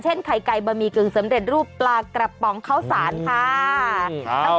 เช่นไข่ไก่บะหมี่เกลืองเสมอเตรียมรูปปลากระป๋องเข้าสารค่ะ